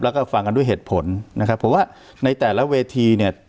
แล้วก็ฟังกันด้วยเหตุผลนะครับเพราะว่าในแต่ละเวทีเนี่ย